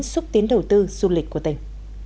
xúc tiến đầu tư du lịch của tỉnh